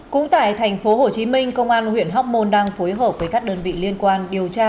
cũng tại tp hcm công an huyện hóc môn đang phối hợp với các đơn vị liên quan điều tra